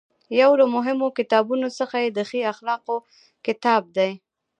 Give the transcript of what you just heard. یو له مهمو کتابونو څخه یې د ښې اخلاقو کتاب دی.